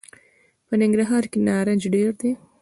په ننګرهار کي نارنج ډېر دي .